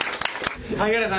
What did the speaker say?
萩原さん